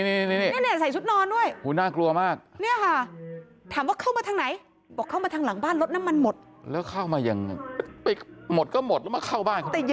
ลดเผบโดดถีบเลยนะแล้วล็อกตัวคนร้ายเอาไว้ได้นะคะแต่ดูช่วงท้ายกันหน่อย